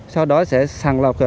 sau đó sẽ sàng lọc